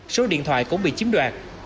số điện thoại cũng bị chiếm đoạt